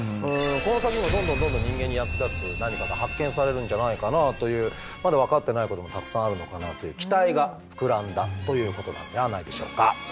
この先にもどんどんどんどん人間に役立つ何かが発見されるんじゃないかなあというまだ分かってないこともたくさんあるのかなという期待が膨らんだということなんではないでしょうか。